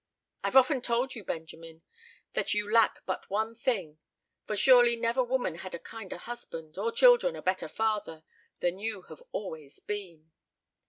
I've often told you, Benjamin, that you lack but one thing; for surely never woman had a kinder husband, or children a better father, than you have always been."